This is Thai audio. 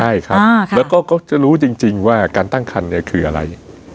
ใช่ครับแล้วก็เขาจะรู้จริงว่าการตั้งคันเนี่ยคืออะไร